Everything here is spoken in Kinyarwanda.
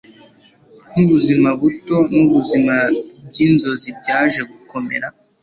nkubuzima buto nubuzima byinzozi byaje gukomera